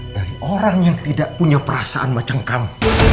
dari orang yang tidak punya perasaan macam kamu